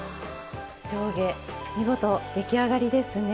上下見事出来上がりですね。